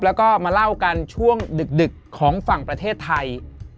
แล้วก็มาเล่ากันช่วงดึกของฝั่งประเทศไทย